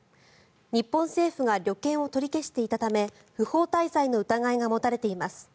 日本政府が旅券を取り消していたため不法滞在の疑いが持たれています。